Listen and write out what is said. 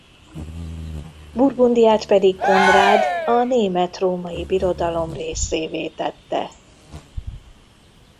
Burgundiát pedig Konrád a Német-római Birodalom részévé tette.